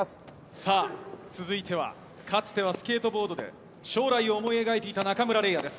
さあ、続いてはかつてはスケートボードで将来を思い描いていた中村嶺亜です。